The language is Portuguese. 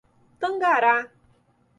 Tangará